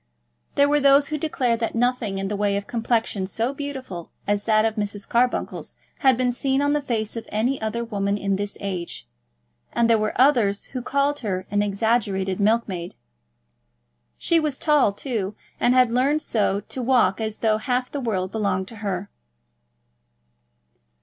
There were those who declared that nothing in the way of complexion so beautiful as that of Mrs. Carbuncle's had been seen on the face of any other woman in this age, and there were others who called her an exaggerated milkmaid. She was tall, too, and had learned so to walk as though half the world belonged to her.